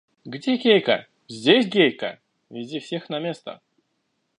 Где Гейка? – Здесь Гейка! – Веди всех на место.